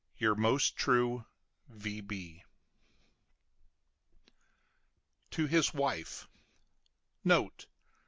YOUR MOST TRUE V.B. TO HIS WIFE Note.